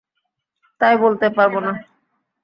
তাই বলতে পারব না।